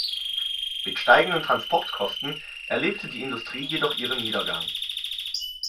Mit steigenden Transportkosten erlebte die Industrie jedoch ihren Niedergang.